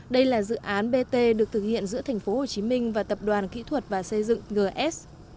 đây là dự án bt được thực hiện giữa tp hcm và tập đoàn kỹ thuật và xây dựng gs